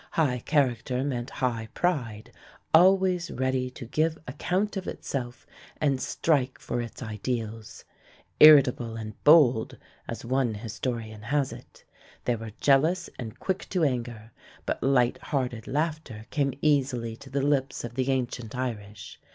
High character meant high pride, always ready to give account of itself and strike for its ideals: "Irritable and bold", as one historian has it. They were jealous and quick to anger, but light hearted laughter came easily to the lips of the ancient Irish.